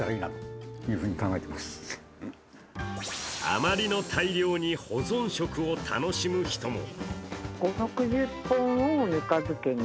あまりの大漁に、保存食を楽しむ人も。